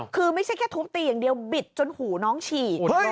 คือไม่ใช่แค่ทุบตีอย่างเดียวบิดจนหูน้องฉีก